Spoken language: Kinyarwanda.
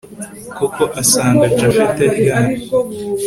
koko asanga japhet aryamye